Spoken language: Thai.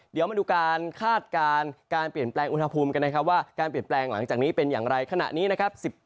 เดี๋ยวมาดูการคาดการณ์การเปลี่ยนแปลงอุณหภูมิกันนะครับว่าการเปลี่ยนแปลงหลังจากนี้เป็นอย่างไรขณะนี้นะครับ